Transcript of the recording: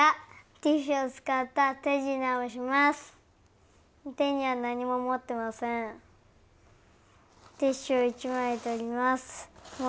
ティッシュを１枚取ります。